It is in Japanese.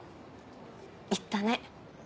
言ったね。